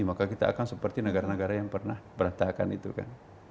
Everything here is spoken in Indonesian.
maka kita akan seperti negara negara yang pernah berantakan itu kan